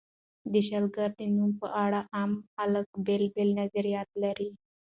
د شلګر د نوم په اړه عام خلک بېلابېل نظریات لري.